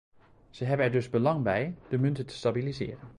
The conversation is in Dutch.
Ze hebben er dus belang bij, de munt te stabiliseren.